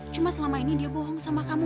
cuma selama ini dia bohong sama kamu